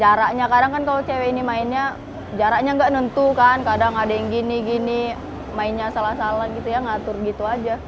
jaraknya kadang kan kalau cewek ini mainnya jaraknya nggak nentu kan kadang ada yang gini gini mainnya salah salah gitu ya ngatur gitu aja